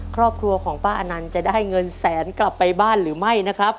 ครอบครัวของป้าอนันต์จะได้เงินแสนกลับไปบ้านหรือไม่นะครับ